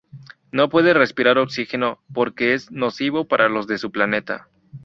No puede respirar oxígeno porque es nocivo para los de su planeta.